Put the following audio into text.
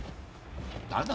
誰だ？